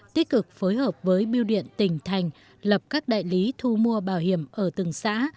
tích cực phối hợp với biêu điện tỉnh thành lập các đại lý thu mua bảo hiểm ở từng xã